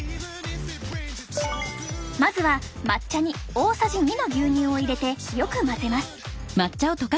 まずは抹茶に大さじ２の牛乳を入れてよく混ぜます。